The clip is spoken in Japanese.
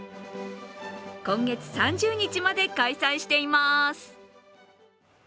今月３０日まで開催しています。